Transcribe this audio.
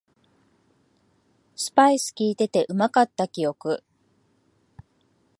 スパイスきいててうまかった記憶